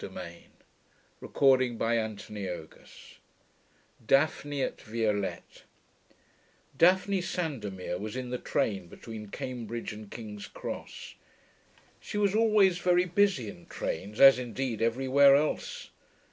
PART III DAPHNE CHAPTER XIV DAPHNE AT VIOLETTE 1 Daphne Sandomir was in the train between Cambridge and King's Cross. She was always very busy in trains, as, indeed, everywhere else.